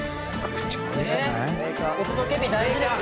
お届け日大事ですよ。